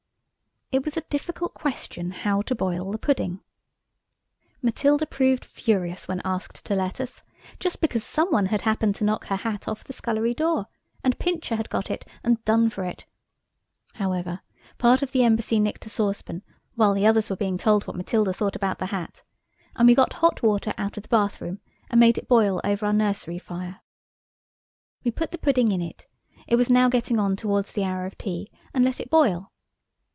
It was a difficult question how to boil the pudding. Matilda proved furious when asked to let us, just because some one had happened to knock her hat off the scullery door and Pincher had got it and done for it. However, part of the embassy nicked a saucepan while the others were being told what Matilda thought about the hat, and we got hot water out of the bath room and made it boil over our nursery fire. We put the pudding in–it was now getting on towards the hour of tea–and let it boil.